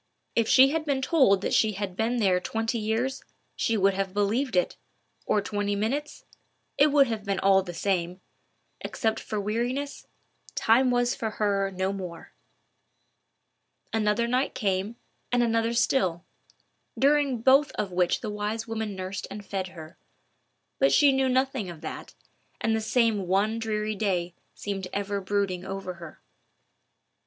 If she had been told that she had been there twenty years, she would have believed it—or twenty minutes—it would have been all the same: except for weariness, time was for her no more. Another night came, and another still, during both of which the wise woman nursed and fed her. But she knew nothing of that, and the same one dreary day seemed ever brooding over her.